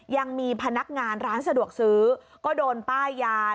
ยังมีพนักงานร้านสะดวกซื้อก็โดนป้ายยา